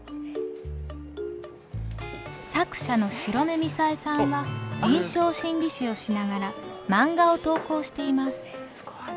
作者の白目みさえさんは臨床心理士をしながら漫画を投稿しています。